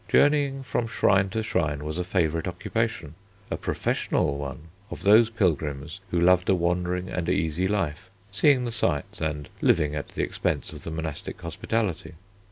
Journeying from shrine to shrine was a favourite occupation, a professional one, of those pilgrims who loved a wandering and easy life, seeing the sights and living at the expense of the monastic hospitality.